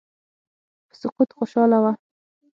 په سقوط خوشاله وه.